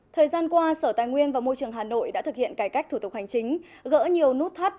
thời gian qua sở tài nguyên và môi trường hà nội đã thực hiện cải cách thủ tục hành chính gỡ nhiều nút thắt